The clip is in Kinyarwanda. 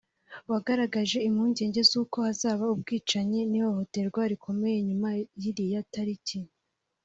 wagaragaje impungenge z’uko hazaba ubwicanyi n’ihohoterwa rikomeye nyuma y’iriya tariki